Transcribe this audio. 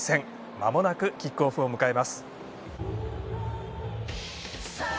まもなくキックオフを迎えます。